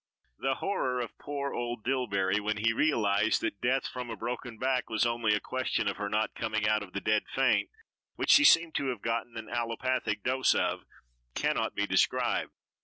The horror of poor old Dillbery, when he realized that death from a broken back was only a question of her not coming out of the dead faint, which she seemed to have gotten an allopathic dose of, cannot be described.